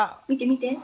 見て見て。